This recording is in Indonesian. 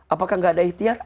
apakah tidak ada ihtiar